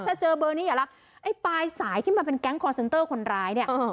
ถ้าเจอเบอร์นี้อย่ารับไอ้ปลายสายที่มันเป็นแก๊งคอร์เซนเตอร์คนร้ายเนี่ย